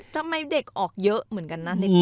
ทำไมเด็กออกเยอะเหมือนกันนะในปีการเนอะ